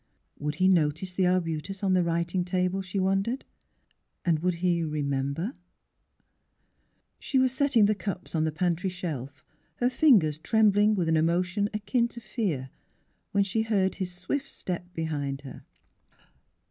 Would he notice the arbutus on the writing table, she won dered; and would he — remember f She was setting the cups on the pantry shelf, her fingers trembling with an emotion akin to fear, when she heard his swift steji behind her.